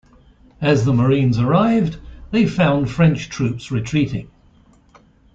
As the Marines arrived, they found French troops retreating.